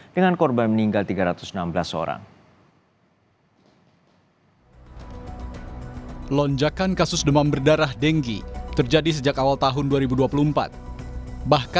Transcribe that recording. dengan korban meninggal tiga ratus enam belas orang